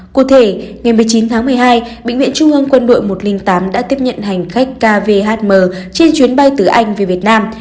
cụ thể ngày một mươi chín tháng một mươi hai bệnh viện trung ương quân đội một trăm linh tám đã tiếp nhận hành khách kvhm trên chuyến bay từ anh về việt nam